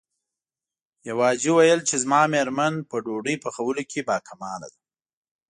يوه حاجي ويل چې زما مېرمن په ډوډۍ پخولو کې باکماله ده.